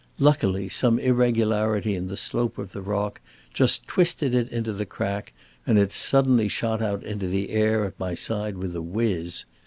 Luckily some irregularity in the slope of rock just twisted it into the crack, and it suddenly shot out into the air at my side with a whizz.